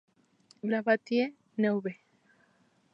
La Bâtie-Neuve